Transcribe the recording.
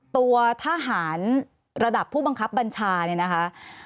ตัวทหารระดับผู้บังคับบัญชาเนี่ยนะคะ